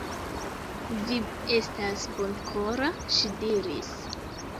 Vi estas bonkora, ŝi diris.